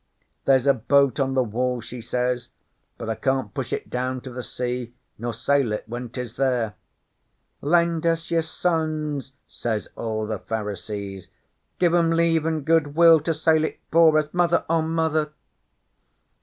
'"There's a boat on the Wall," she says, "but I can't push it down to the sea, nor sail it when 'tis there." '"Lend us your sons," says all the Pharisees. "Give 'em Leave an' Good will to sail it for us, Mother O Mother!"